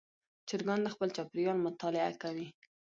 چرګان د خپل چاپېریال مطالعه کوي.